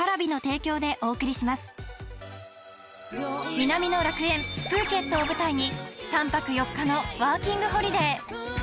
南の楽園プーケットを舞台に３泊４日のワーキングホリデー